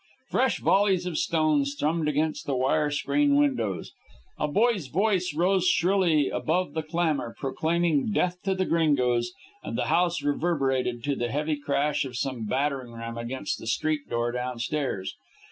Fresh volleys of stones thrummed against the wire screened windows; a boy's voice rose shrilly above the clamor, proclaiming death to the Gringos; and the house reverberated to the heavy crash of some battering ram against the street door downstairs.